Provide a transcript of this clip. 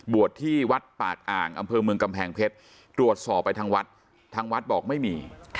ที่วัดปากอ่างอำเภอเมืองกำแพงเพชรตรวจสอบไปทางวัดทางวัดบอกไม่มี